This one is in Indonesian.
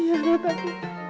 iya aroh tapi